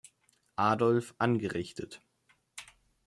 Adolf angerichtet.